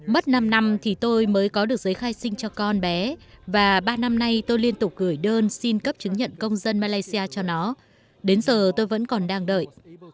mất năm năm thì tôi mới có được giấy khai sinh cho con bé và ba năm nay tôi liên tục gửi đơn xin cấp chứng nhận công dân malaysia cho nó đến giờ tôi vẫn còn đang đợi